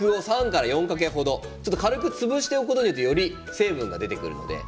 軽く潰しておくことによりより成分が出てきます。